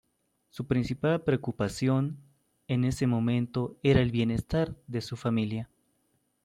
Su principal preocupación en ese momento era el bienestar de su familia.